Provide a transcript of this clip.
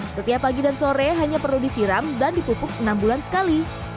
setiap pagi dan sore hanya perlu disiram dan dipupuk enam bulan sekali